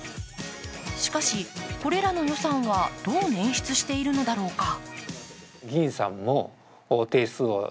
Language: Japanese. しかし、これらの予算はどう捻出しているのだろうか。